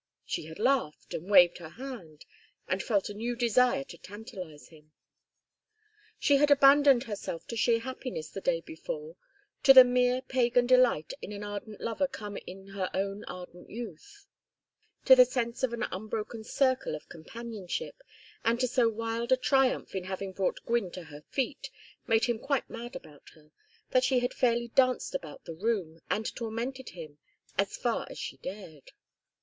She had laughed, and waved her hand, and felt a new desire to tantalize him. She had abandoned herself to sheer happiness the day before, to the mere pagan delight in an ardent lover come in her own ardent youth, to the sense of an unbroken circle of companionship, and to so wild a triumph in having brought Gwynne to her feet, made him quite mad about her, that she had fairly danced about the room, and tormented him as far as she dared.